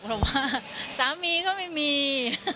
เพราะว่าสามีก็ไม่มี